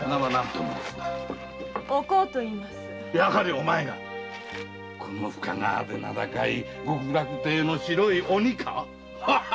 お前がこの深川で名高い「極楽亭の白い鬼」か。